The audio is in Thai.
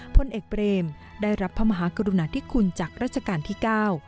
พลเอกเบรมได้รับพระมหากรุณาธิคุณจากราชการที่๙